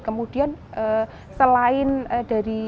kemudian selain dari jiwa yang menjadi dampak